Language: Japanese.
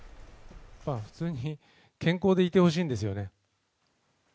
普通に健康でいてほしいんですよね。